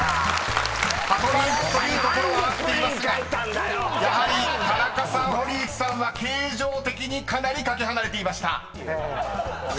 ［パトランプというところは合っていますがやはり田中さん堀内さんは形状的にかなり懸け離れていました］